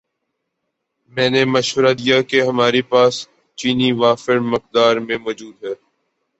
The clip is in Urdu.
میں نے مشورہ دیا کہ ہماری پاس چینی وافر مقدار میں موجود ہے